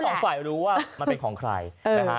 สองฝ่ายรู้ว่ามันเป็นของใครนะฮะ